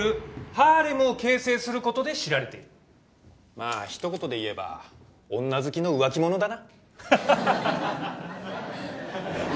まあ一言で言えば女好きの浮気者だな。